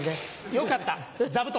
よかった座布団。